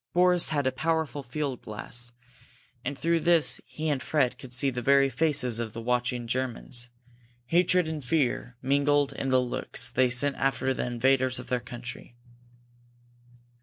Boris had a powerful field glass, and through this he and Fred could see the very faces of the watching Germans. Hatred and fear mingled in the looks they sent after the invaders of their country.